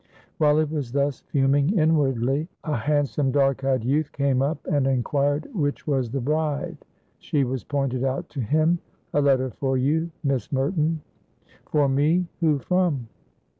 While he was thus fuming inwardly, a handsome, dark eyed youth came up and inquired which was the bride. She was pointed out to him. "A letter for you, Miss Merton." "For me? Who from?"